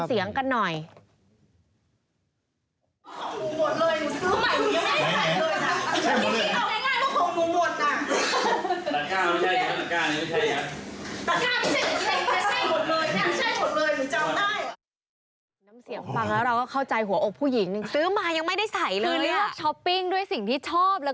เป็นโกดังจะเอาไปขายต่อหรือเปล่า